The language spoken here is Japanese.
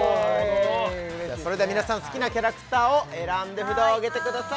それでは皆さん好きなキャラクターを選んで札をあげてください